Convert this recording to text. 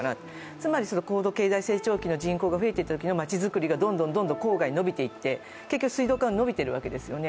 つまり高度経済成長期の人口が増えていたときの町づくりが郊外に伸びていって、結局水道管は伸びているわけですよね。